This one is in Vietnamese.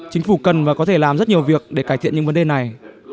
chính phủ cần và có thể làm rất nhiều việc để cải thiện những vấn đề này